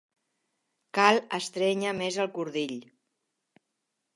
Cal estrènyer més el cordill.